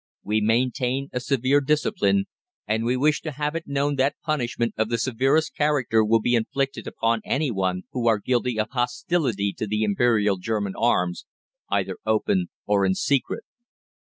We maintain a severe discipline, and we wish to have it known that punishment of the severest character will be inflicted upon any who are guilty of hostility to the Imperial German arms, either open or in secret.